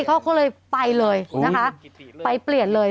เขาก็เลยไปเลยนะคะไปเปลี่ยนเลย